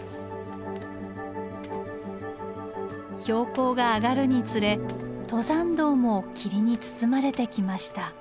標高が上がるにつれ登山道も霧に包まれてきました。